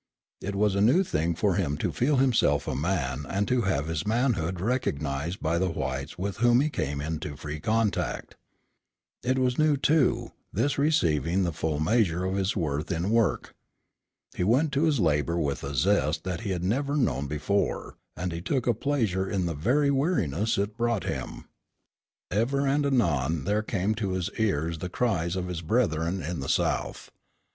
It was a new thing for him to feel himself a man and to have his manhood recognized by the whites with whom he came into free contact. It was new, too, this receiving the full measure of his worth in work. He went to his labor with a zest that he had never known before, and he took a pleasure in the very weariness it brought him. Ever and anon there came to his ears the cries of his brethren in the South.